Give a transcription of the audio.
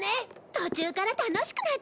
途中から楽しくなっちゃって。